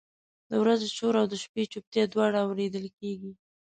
د ورځې شور او د شپې چپتیا دواړه اورېدل کېږي.